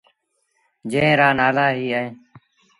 جݩهݩ رآ نآلآ ايٚ اوهيݩ۔